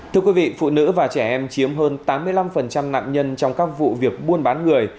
thưa quý vị phụ nữ và trẻ em chiếm hơn tám mươi năm nạn nhân trong các vụ việc buôn bán người